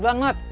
mbak buang mbak